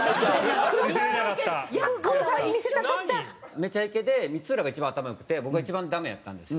『めちゃイケ』で光浦が一番頭良くて僕が一番ダメやったんですよ。